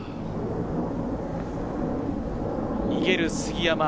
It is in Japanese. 逃げる杉山。